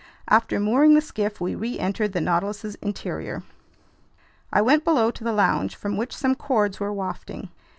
After mooring the skiff, we reentered the Nautilus's interior. I went below to the lounge, from which some chords were wafting.